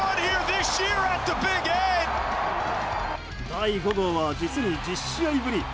第５号は実に１０試合ぶり。